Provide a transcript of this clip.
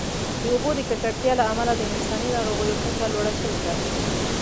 د اوبو د ککړتیا له امله د انساني ناروغیو کچه لوړه شوې ده.